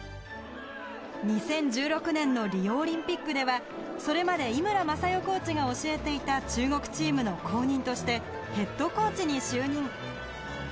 ２０１６年のリオオリンピックではそれまで井村雅代コーチが教えていた中国チームの後任としてヘッドコーチに就任。